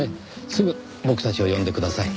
すぐ僕たちを呼んでください。